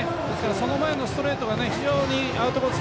その前のストレートが非常にアウトコース